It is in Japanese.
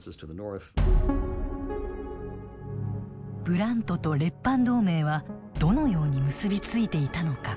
ブラントと列藩同盟はどのように結び付いていたのか。